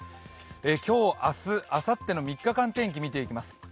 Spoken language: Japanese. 今日、明日、あさっての３日間天気を見ていきます。